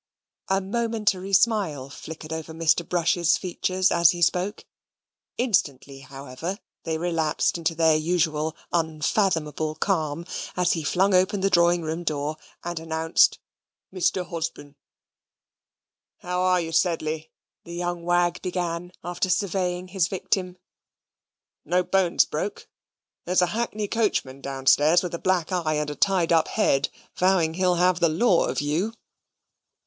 A momentary smile flickered over Mr. Brush's features as he spoke; instantly, however, they relapsed into their usual unfathomable calm, as he flung open the drawing room door, and announced "Mr. Hosbin." "How are you, Sedley?" that young wag began, after surveying his victim. "No bones broke? There's a hackney coachman downstairs with a black eye, and a tied up head, vowing he'll have the law of you."